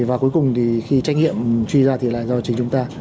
và cuối cùng thì khi trách nhiệm truy ra thì là do chính chúng ta